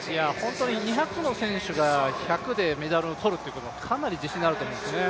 ２００の選手が１００でメダルを取るってことはかなり自信になると思うんですね。